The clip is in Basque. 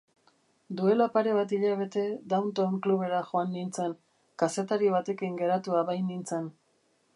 Duela pare bat hilabete Downtown clubera joan nintzen, kazetari batekin geratua bainintzen.